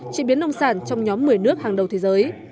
chế biến nông sản trong nhóm một mươi nước hàng đầu thế giới